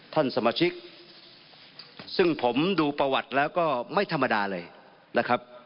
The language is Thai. ท่านสมาชิกซึ่งผมดูประวัติแล้วก็ไม่ธรรมดาเลยนะครับ